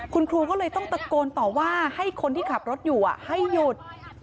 คุณครูก็เลยต้องตะโกนต่อว่าให้คนที่ขับรถอยู่ให้หยุด